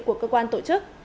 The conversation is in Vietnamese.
của cơ quan tổ chức